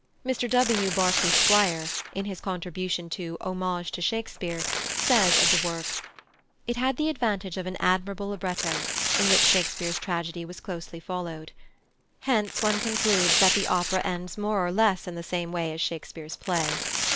Mr W. Barclay Squire, in his contribution to Homage to Shakespeare, says of the work: "It had the advantage of an admirable libretto, in which Shakespeare's tragedy was closely followed." Hence one concludes that the opera ends more or less in the same way as Shakespeare's play.